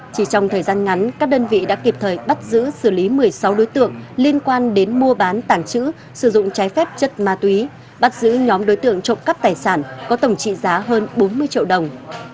chỉ trong thời gian ngắn các đơn vị đã kịp thời bắt giữ xử lý một mươi sáu đối tượng liên quan đến mua bán tảng trữ sử dụng trái phép chất ma túy bắt giữ nhóm đối tượng trộm cắp tài sản có tổng trị giá hơn bốn mươi triệu đồng